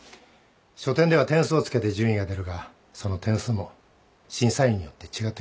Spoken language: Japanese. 書展では点数をつけて順位が出るがその点数も審査員によって違ってくる。